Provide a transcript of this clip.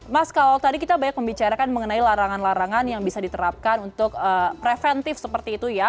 mas kalau tadi kita banyak membicarakan mengenai larangan larangan yang bisa diterapkan untuk preventif seperti itu ya